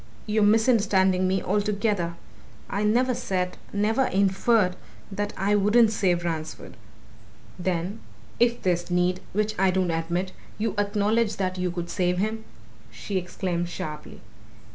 "You're misunderstanding me altogether! I never said never inferred that I wouldn't save Ransford." "Then, if there's need, which I don't admit, you acknowledge that you could save him?" she exclaimed sharply.